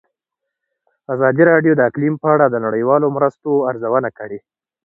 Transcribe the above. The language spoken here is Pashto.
ازادي راډیو د اقلیم په اړه د نړیوالو مرستو ارزونه کړې.